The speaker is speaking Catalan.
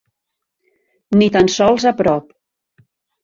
Ni tan sols a prop.